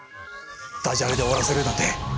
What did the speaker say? ダジャレで終わらせるなんて。